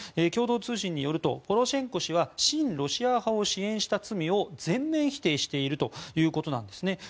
共同通信によるとポロシェンコ氏は親ロシア派を支援した罪を全面否定しているということなんですね。